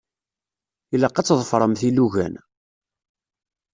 Ilaq ad tḍefṛemt ilugan.